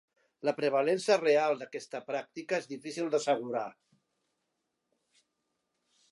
La prevalença real d'aquesta pràctica és difícil d'assegurar.